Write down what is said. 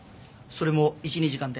それも１２時間で。